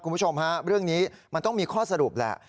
คุณผู้ชมฮะเรื่องนี้มันต้องมีข้อสรุปแหละ